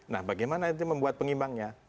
nah bagaimana itu membuat pengimbangnya